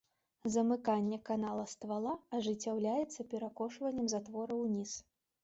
Замыканне канала ствала ажыццяўляецца перакошваннем затвора ўніз.